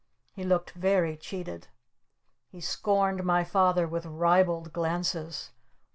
He looked very cheated! He scorned my Father with ribald glances!